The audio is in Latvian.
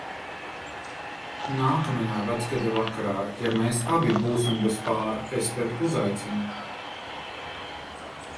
Nākamajā Vecgada vakarā, ja mēs abi būsim bez pāra, es tevi uzaicinu.